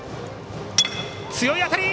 強い当たり！